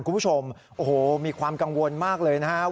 คุณผู้ชมโอ้โหมีความกังวลมากเลยนะครับ